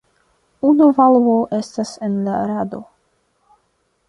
Unu valvo estas en la rado.